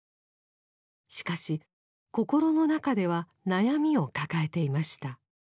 しかし心の中では悩みを抱えていました。